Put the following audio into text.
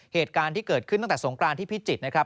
เหตุการณ์ที่เกิดขึ้นตั้งแต่สงกรานที่พิจิตรนะครับ